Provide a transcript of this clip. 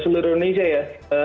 seluruh indonesia ya